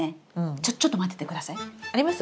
ちょちょっと待っててください。あります？